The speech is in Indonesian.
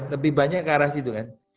lebih banyak ke arah situ kan